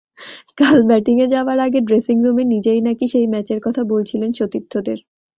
কাল ব্যাটিংয়ে যাওয়ার আগে ড্রেসিংরুমে নিজেই নাকি সেই ম্যাচের কথা বলেছিলেন সতীর্থদের।